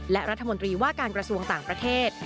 และรัฐมนตรีว่าการกระทรวงต่างประเทศ